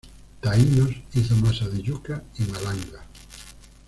Taínos hizo masa de yucca y malanga.